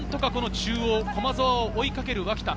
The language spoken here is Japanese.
なんとか中央、駒澤を追いかける脇田。